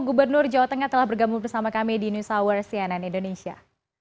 gubernur jawa tengah telah bergabung bersama kami di news hour cnn indonesia